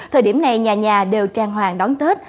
thời điểm này nhà nhà đều trang hoàng đón tết